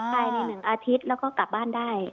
ไปนิดหนึ่งอาทิตย์แล้วก็กลับบ้านได้